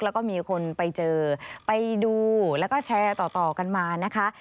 แล้วก็มีคนไปเจอไปดูแล้วก็แชร์ต่อกันมานะคะ